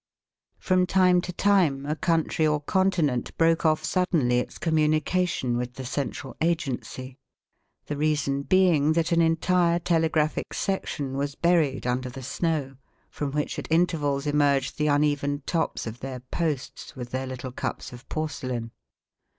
From time to time a country or continent broke off suddenly its communication with the central agency, the reason being that an entire telegraphic section was buried under the snow, from which at intervals emerged the uneven tops of their posts, with their little cups of porcelain.